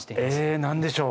え何でしょう？